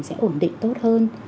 sẽ ổn định tốt hơn